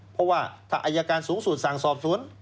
เพราะว่าถ้าอายการสูงสุดสั่งสอบสวน